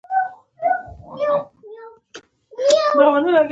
راځه پردې او حیا لرې کړه.